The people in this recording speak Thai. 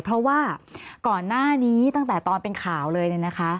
เพราะว่าก่อนหน้านี้ตั้งแต่ตอนเป็นข่าวเลยเนี่ยนะคะ